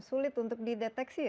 sulit untuk dideteksi ya